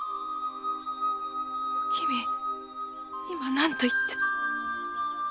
今何と言って。